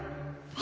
あ！